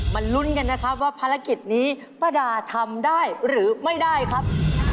ลุ้นกันนะครับว่าภารกิจนี้ป้าดาทำได้หรือไม่ได้ครับ